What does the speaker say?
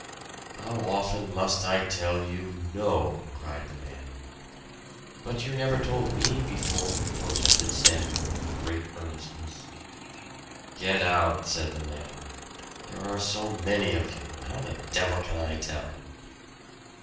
"How often must I tell you no?" cried the man. "But you never told me before," protested Samuel with great earnestness. "Get out!" said the man. "There are so many of you how the devil can I tell?"